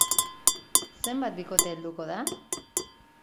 Zenbat bikote helduko da?